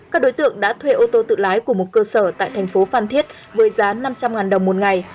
các đối tượng đã thuê ô tô tự lái của một cơ sở tại thành phố phan thiết với giá năm trăm linh đồng một ngày